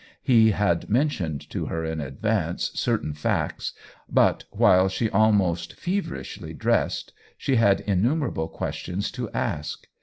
He had mentioned to her in advance certain facts, but while she almost feverishly dressed she had innumerable questions to ask.